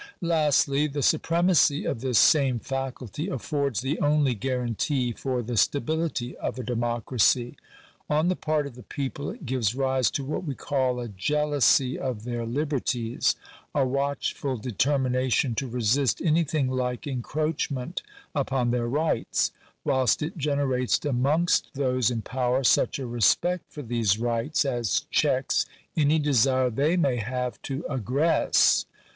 Lastly, the supremacy of this same faculty affords the only guarantee for the stability of a democracy. On the part of the people it gives rise to what we call a jealousy of their liberties — a watchful determination to resist anything like encroachment upon their rights : whilst it generates amongst those in power such a respect for these rights as checks any desire they may have to aggress.